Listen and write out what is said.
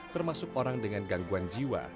termasuk orang dengan gangguan jiwa